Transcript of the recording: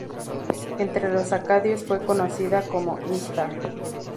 Entre los acadios fue conocida como Ishtar.